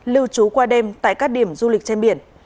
lưu trú qua đêm tại các điểm du lịch trên biển